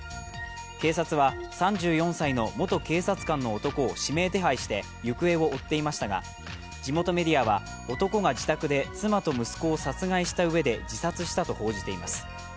警察は３４歳の元警察官の男を指名手配して行方を追っていましたが、地元メディアは男が自宅で妻と息子を殺害したうえで自殺したと報じています。